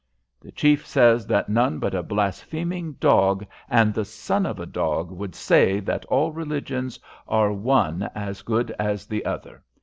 "The chief says that none but a blaspheming dog and the son of a dog would say that all religions are one as good as the other.